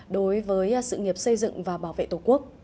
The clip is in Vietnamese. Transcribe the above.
đối với sự nghiệp xây dựng và bảo đảm